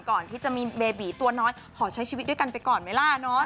ก่อนที่จะมีเบบีตัวน้อยขอใช้ชีวิตด้วยกันไปก่อนไหมล่ะเนาะ